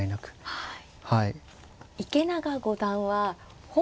はい。